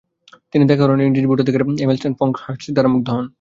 তিনি দেখা করেন ও ইংরেজ ভোটাধিকার এমেলাইন পঙ্কহার্স্ট দ্বারা মুগ্ধ হন।